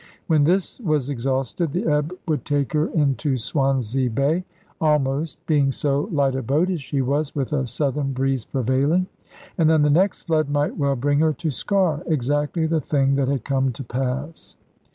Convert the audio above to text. When this was exhausted, the ebb would take her into Swansea Bay almost, being so light a boat as she was, with a southern breeze prevailing. And then the next flood might well bring her to Sker, exactly the thing that had come to pass.